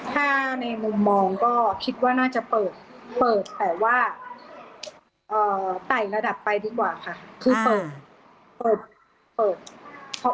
ถ้าในมุมมองก็คิดว่าน่าจะเปิดแต่ว่าไต่ระดับไปดีกว่าค่ะ